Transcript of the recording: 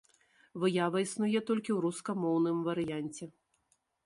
Выява існуе толькі ў рускамоўным варыянце.